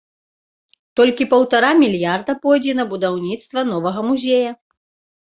Толькі паўтара мільярда пойдзе на будаўніцтва новага музея.